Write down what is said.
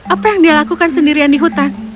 apa yang dia lakukan sendirian di hutan